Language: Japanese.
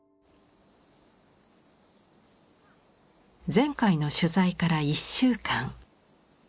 前回の取材から１週間。